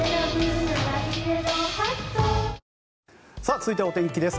続いてはお天気です。